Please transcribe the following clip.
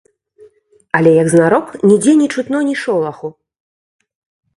Але, як знарок, нідзе не чутно ні шолаху.